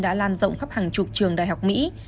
đã lan rộng khắp hàng chục trường đại học mỹ